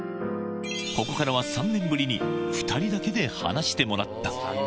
ここからは３年ぶりに２人だけで話してもらった。